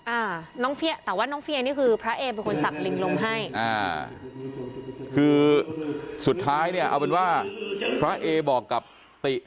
อ่าน้องเฟียแต่ว่าน้องเฟียนี่คือพระเอเป็นคนสักลิงลมให้อ่าคือสุดท้ายเนี่ยเอาเป็นว่าพระเอบอกกับติ